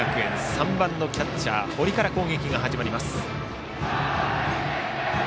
３番のキャッチャー、堀から攻撃が始まります。